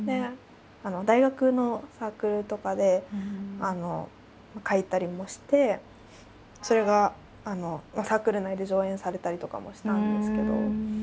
大学のサークルとかで書いたりもしてそれがサークル内で上演されたりとかもしたんですけど。